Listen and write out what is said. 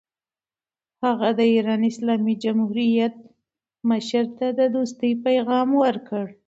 هغه د ایران اسلامي جمهوریت مشر ته د دوستۍ پیغام ورکړ.